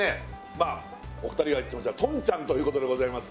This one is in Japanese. まあお二人が言ってましたトンチャンということでございます